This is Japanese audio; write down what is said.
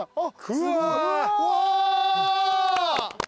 うわ！